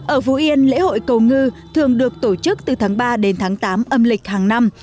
ở phú yên lễ hội cầu ngư thường được tổ chức từ tháng ba đến tháng tám âm lịch hàng năm